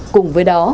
cùng với đó